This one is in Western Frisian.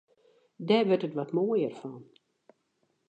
Dêr wurdt it wat moaier fan.